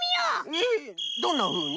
えっどんなふうに？